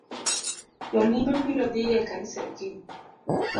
Jolimbe biro dhii e kanisa kiny